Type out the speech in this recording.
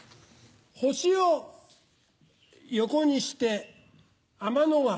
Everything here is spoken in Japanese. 「星」を横にして天の川。